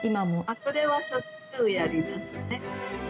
それはしょっちゅうやりますね。